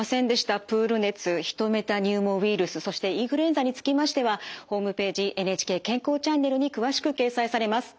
プール熱ヒトメタニューモウイルスそしてインフルエンザにつきましてはホームページ「ＮＨＫ健康チャンネル」に詳しく掲載されます。